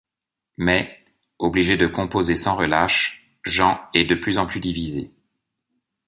Mais, obligé de composer sans relâche, Jean est de plus en plus divisé.